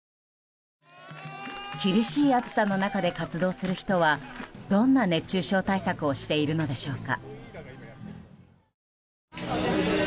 厳しい暑さの中で活動する人はどんな熱中症対策をしているのでしょうか。